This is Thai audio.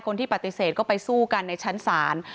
คนที่ปฏิเสธก็ไปสู้กันในชั้นศาล